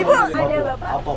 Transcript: ibu ada bapak